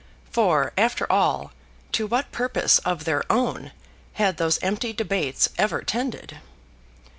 For, after all, to what purpose of their own had those empty debates ever tended?